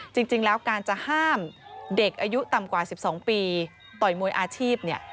จริงแล้วการจะห้ามเด็กอายุต่ำกว่า๑๒ปีต่อยมวยอาชีพเนี่ย